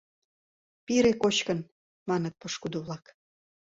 — Пире кочкын, — маныт пошкудо-влак.